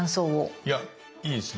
いやいいですね。